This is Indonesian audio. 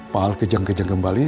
pak al kejang kejang kembali